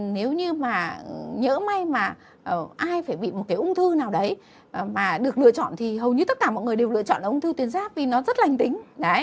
nếu như mà nhỡ may mà ai phải bị một cái ung thư nào đấy mà được lựa chọn thì hầu như tất cả mọi người đều lựa chọn là ung thư tuyến giáp vì nó rất lành tính